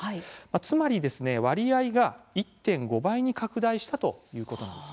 つまり割合が１．５倍に拡大したということです。